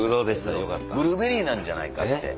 ブルーベリーなんじゃないかって。